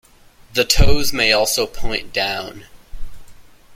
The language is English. The toes may also point down.